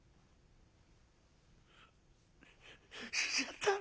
死んじゃったの？